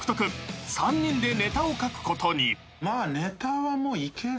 ［３人でネタを書くことに］